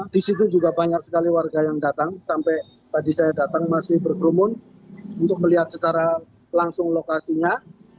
di situ juga banyak sekali warga yang datang sampai tadi saya datang masih berkerumun untuk melihat secara langsung lokasinya